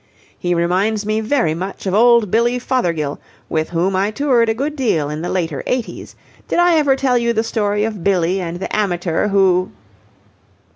He reminds me very much of old Billy Fothergill, with whom I toured a good deal in the later eighties. Did I ever tell you the story of Billy and the amateur who...?"